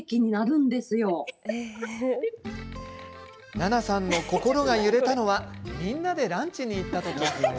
奈々さんの心が揺れたのはみんなでランチに行った時。